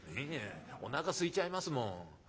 「いやおなかすいちゃいますもん。